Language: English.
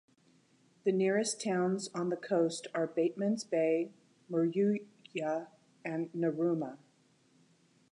The nearest towns on the coast are Batemans Bay, Moruya and Narooma.